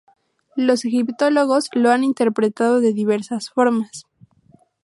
Los egiptólogos lo han interpretado de diversas formas.